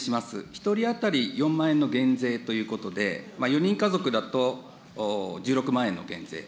１人当たり４万円の減税ということで、４人家族だと、１６万円の減税。